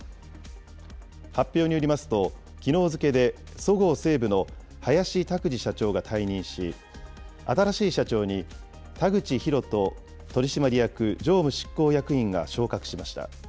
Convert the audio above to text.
発表によりますと、きのう付けでそごう・西武の林拓二社長が退任し、新しい社長に田口広人取締役常務執行役員が昇格しました。